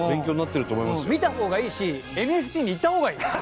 見た方がいいしＮＳＣに行った方がいい。